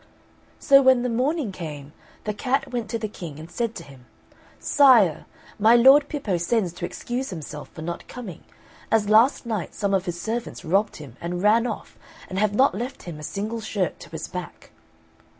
So when the morning came, the cat went to the King, and said to him: "Sire, my Lord Pippo sends to excuse himself for not coming, as last night some of his servants robbed him and ran off, and have not left him a single shirt to his back."